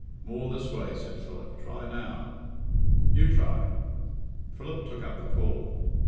"More this way," said Philip. "Try now." "You try." Philip took up the call.